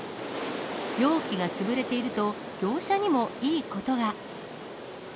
容器が潰れていると、業者にもいいことが。